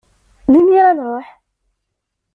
Melmi ara nruḥ.